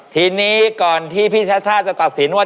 ทีนี้ก่อนที่พี่ชัชชาติจะตัดสินว่า